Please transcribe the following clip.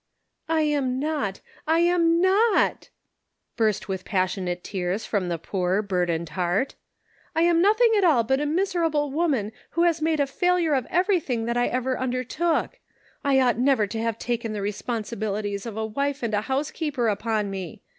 "I am not, I am not!" burst with passion ate tears from the poor burdened heart. " I am nothing at all but a miserable woman who has made a failure of everything that I ever undertook. I ought never to have taken the responsibilities of a wife and a housekeeper upon me.